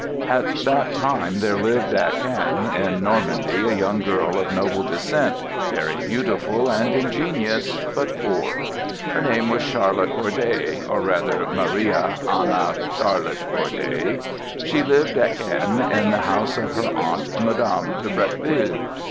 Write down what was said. At that time there lived at Caen in Normandy a young girl of noble descent, very beautiful and ingenious, but poor. Her name was Charlotte Corday, or rather Marie Anna Charlotte Corday; she lived at Caen in the house of her aunt, Madame de Bretteville.